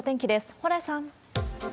蓬莱さん。